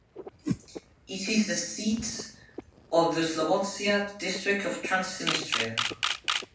It is the seat of the Slobozia District of Transnistria.